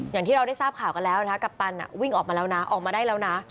อย่างที่เราได้ทราบข่าวกันแล้วนะกัปตันวิ่งออกมาแล้วนะออกมาได้แล้วนะ